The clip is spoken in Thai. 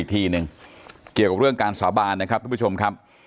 ทีหนึ่งเกี่ยวกับเรื่องการสาบานนะครับทุกผู้ชมครับ